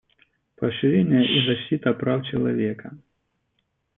Поощрение и защита прав человека.